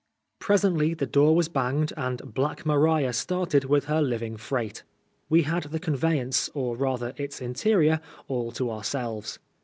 Presently the door was banged, and " Black Maria " started with her living freight. We had the conveyance,, or rather its interior, all to ourselves.